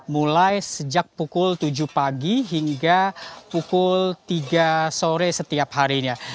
mulai sejak pukul tujuh pagi hingga pukul tiga sore setiap harinya